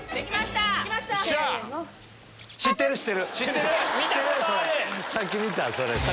さっき見たそれ。